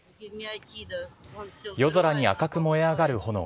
夜空に赤く燃え上がる炎。